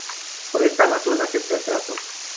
Por esta razón acepta el trato.